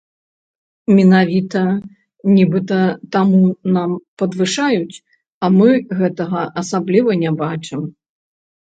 Менавіта, нібыта, таму нам падвышаюць, а мы гэтага асабліва не бачым.